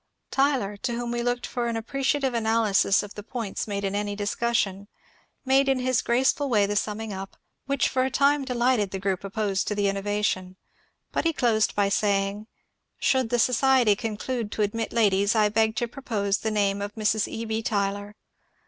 Tylor, to whom we looked for an appreciative anal SIR JOHN EVANS 337 ysis of the points made in any discossion, made in his graceful way the summing up, which for a time delighted the group opposed to the innovation ; but he closed by saying, ^^ Should the society conclude to admit ladies, I beg to propose the name of Mrs. E. B. Tylor."